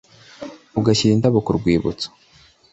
ugashyira indabo ku rwibutso